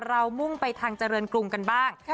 มุ่งไปทางเจริญกรุงกันบ้าง